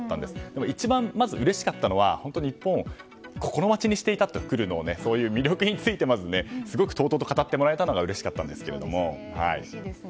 でも一番うれしかったのは日本に来るのを心待ちにしていたとそういう魅力についてとうとうと語ってもらえたのがうれしかったんですけども。